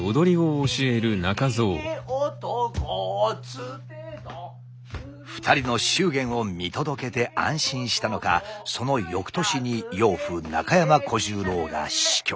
ひげ男つてどん２人の祝言を見届けて安心したのかその翌年に養父中山小十郎が死去。